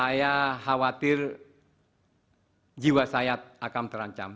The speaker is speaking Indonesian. saya khawatir jiwa saya akan terancam